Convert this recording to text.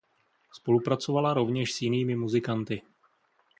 Spolupracovala rovněž s jinými muzikanty.